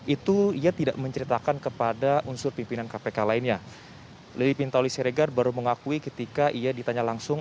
itu ia tidak menceritakan kepada unsur pimpinan kpk lainnya lili pintauli siregar baru mengakui ketika ia ditanya langsung